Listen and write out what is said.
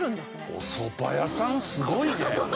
お蕎麦屋さんすごいね！